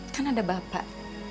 kan ada bapak